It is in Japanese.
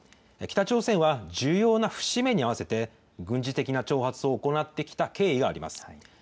北朝鮮は、重要な節目に合わせて軍事的な挑発を行ってきた経緯があります。